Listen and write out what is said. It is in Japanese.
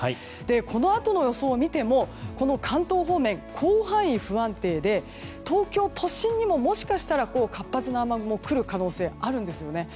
このあとの予想を見てみても関東方面広範囲、不安定で東京都心にも、もしかしたら活発な雨雲が来る可能性があるんですよね。